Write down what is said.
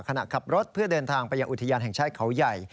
ขณะขับรถเพื่อเดินทางไปยังอุทยานแห่งชาติเขาใหญ่